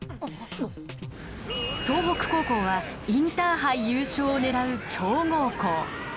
総北高校はインターハイ優勝を狙う強豪校。